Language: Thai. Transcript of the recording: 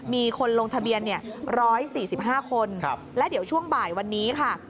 มีคนลงทะเบียน๑๔๕คนและเดี๋ยวช่วงบ่ายวันนี้ค่ะ